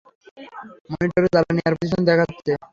মনিটরে জ্বালানি আর পজিশন দেখাচ্ছে।